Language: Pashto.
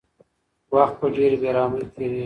وخت په ډېرې بې رحمۍ تېرېږي.